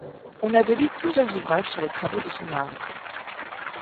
On a de lui plusieurs ouvrages sur les travaux de son arme.